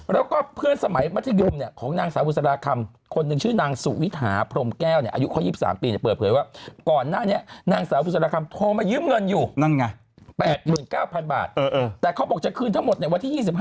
แล้วก็เพื่อนสมัยมัธยุมของนางสาวบุษราคำคนหนึ่งชื่อนางสุวิถาพรมแก้ว